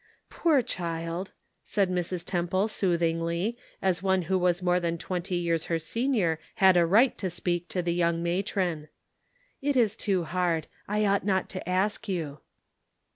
'.'Poor child," said Mrs. Temple soothingly, as one who was more than twenty years her senior had a right to speak to the young matron. "It is too hard; I ought not to ask you."